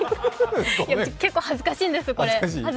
結構恥ずかしいんです、これ。